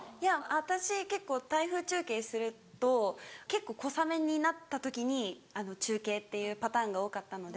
私結構台風中継すると結構小雨になった時に中継っていうパターンが多かったので。